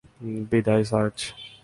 বিদায়, সার্জ।